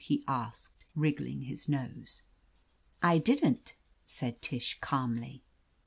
he asked, wriggling his nose. "I didn't," said Tish cahnly.